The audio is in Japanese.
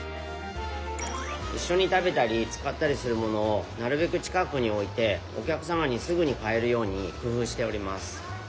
いっしょに食べたり使ったりする物をなるべく近くにおいてお客さまにすぐに買えるようにくふうしております。